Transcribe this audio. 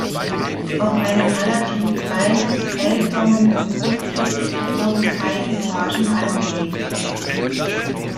Auf einem relativ kleinen, L-förmigen Grundriss wurden drei Etagen angelegt.